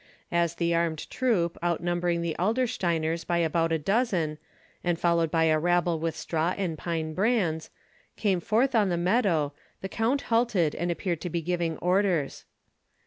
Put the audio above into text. As the armed troop, out numbering the Adlersteiners by about a dozen, and followed by a rabble with straw and pine brands, came forth on the meadow, the count halted and appeared to be giving orders.